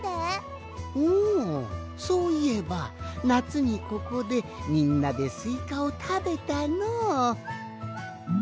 おそういえばなつにここでみんなでスイカをたべたのう。